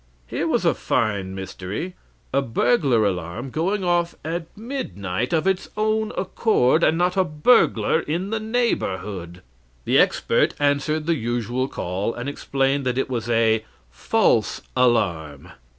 Here was a fine mystery a burglar alarm 'going off' at midnight of its own accord, and not a burglar in the neighborhood! "The expert answered the usual call, and explained that it was a 'False alarm.'